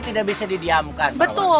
tidak bisa didiamkan